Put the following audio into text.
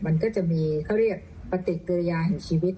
มันก็จะมีเขาเรียกปฏิกิริยาแห่งชีวิต